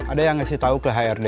ada yang ngasih tahu ke hrd